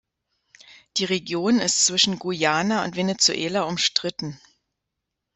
Die Region ist zwischen Guyana und Venezuela umstritten.